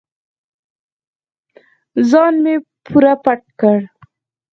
ځان مې پوره پټ کړ.